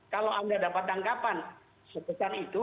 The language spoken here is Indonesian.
kalau anda dapat tangkapan sebesar itu